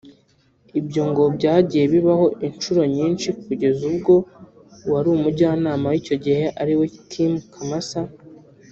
Ibyo ngo byagiye bibaho inshuro nyinshi kugeza ubwo uwari umujyanama we icyo gihe ari we Kim Kamasa